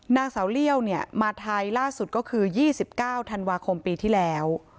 นางสาวเลี่ยวมาไทยล่าสุดก็คือ๒๙ธันวาคมปีที่แล้ว